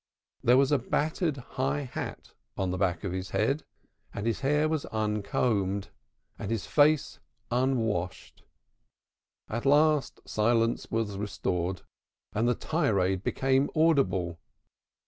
There was a battered high hat on the back of his head, and his hair was uncombed, and his face unwashed. At last silence was restored and the tirade became audible.